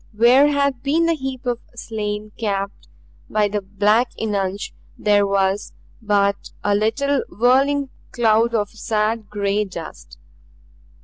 Where had been the heap of slain capped by the black eunuch there was but a little whirling cloud of sad gray dust.